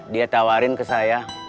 dia tawarin ke saya